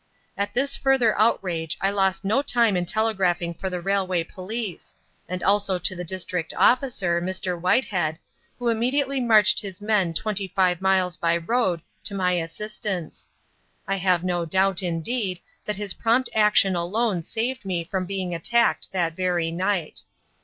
At this further outrage I lost no time in telegraphing for the Railway Police, and also to the District Officer, Mr. Whitehead, who immediately marched his men twenty five miles by road to my assistance. I have no doubt, indeed, that his prompt action alone saved me from being attacked that very night.